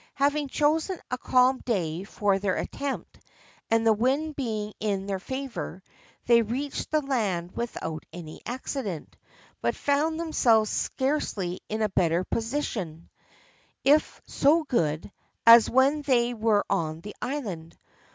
Having chosen a calm day for their attempt, and the wind being in their favour, they reached the land without any accident, but found themselves scarcely in a better position, if so good, as when they were on the island.